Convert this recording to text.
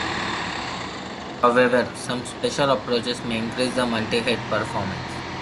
However some special approaches may increase the multihead performance.